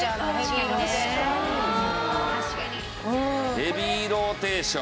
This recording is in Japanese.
『ヘビーローテーション』？